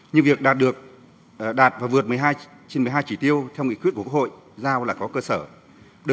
nhưng việc đạt và vượt trên một mươi hai chỉ tiêu theo nghị quyết của quốc hội giao là có cơ sở